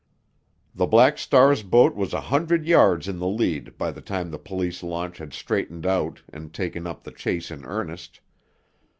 The Black Star's boat was a hundred yards in the lead by the time the police launch had straightened out and taken up the chase in earnest.